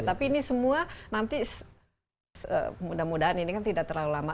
tapi ini semua nanti mudah mudahan ini kan tidak terlalu lama